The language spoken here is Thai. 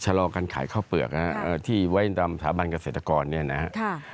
ชะลอการขายข้าวเปลือกนะฮะอ่าที่ไว้ตามสถาบันเกษตรกรเนี้ยนะฮะค่ะ